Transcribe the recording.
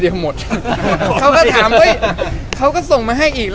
เรียกอะไรเพราะเราสอบมอสเวค